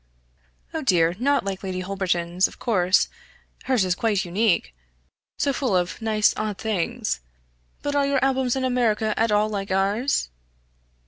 "Oh dear not like Lady Holberton's of course hers is quite unique so full of nice odd things. But are your albums in America at all like ours?"